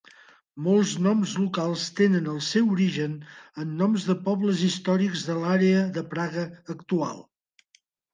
Molts noms locals tenen el seu origen en noms de pobles històrics de l'àrea de Praga actual.